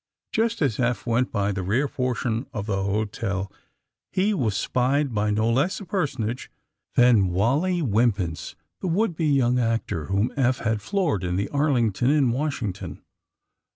Just as Eph went by the rear portion of the hotel he was espied by no less a personage than Wally Wimpins, the would be young actor whom Eph had floored in the Arlington in Y/ashing ton.